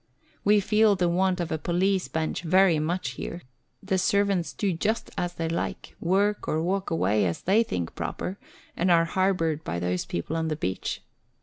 We feel the want of a police bench here very much. The servants do just as they like, work or walk away as they think proper, and are harboured by those people on the beach.